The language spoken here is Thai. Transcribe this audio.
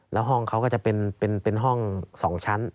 แล้วห้องเขาก็จะเป็นห้อง๒ชั้น